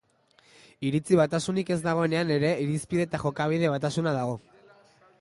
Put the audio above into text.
Iritzi batasunik ez dagoenean ere irizpide eta jokabide batasuna dago.